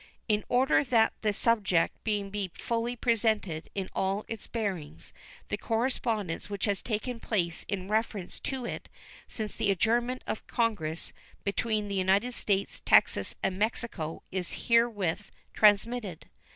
In order that the subject may be fully presented in all its bearings, the correspondence which has taken place in reference to it since the adjournment of Congress between the United States, Texas, and Mexico is herewith transmitted.